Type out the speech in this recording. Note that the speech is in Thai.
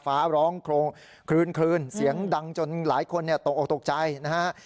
ฟ้าร้องคลืนเสียงดังจนหลายคนตกออกตกใจนะฮะ